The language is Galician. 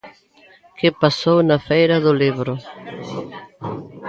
Que pasou na Feira do Libro?